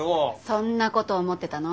そんなこと思ってたの？